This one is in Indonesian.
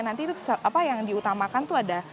nanti itu apa yang diutamakan tuh ada